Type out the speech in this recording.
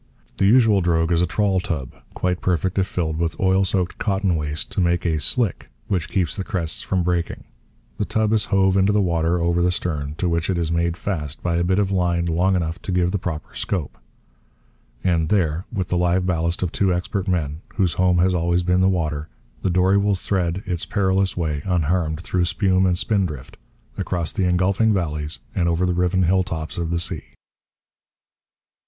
The usual drogue is a trawl tub, quite perfect if filled with oil soaked cotton waste to make a 'slick' which keeps the crests from breaking. The tub is hove into the water, over the stern, to which it is made fast by a bit of line long enough to give the proper scope. And there, with the live ballast of two expert men, whose home has always been the water, the dory will thread its perilous way unharmed through spume and spindrift, across the engulfing valleys and over the riven hill tops of the sea.